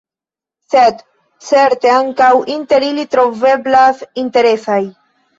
Sed, certe, ankaŭ inter ili troveblas interesaj.